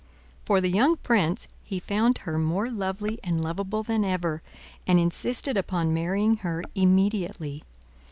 For the young prince, he found her more lovely and lovable than ever, and insisted upon marrying her immediately.